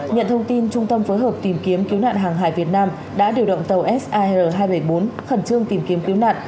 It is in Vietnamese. nhận thông tin trung tâm phối hợp tìm kiếm cứu nạn hàng hải việt nam đã điều động tàu sir hai trăm bảy mươi bốn khẩn trương tìm kiếm cứu nạn